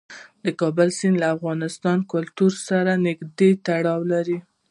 د کابل سیند له افغان کلتور سره نږدې تړاو لري.